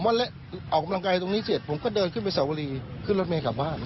ออกกำลังกายตรงนี้เสร็จผมก็เดินขึ้นไปสาวรีขึ้นรถเมย์กลับบ้าน